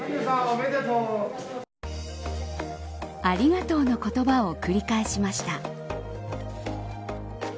ありがとうの言葉を繰り返しました。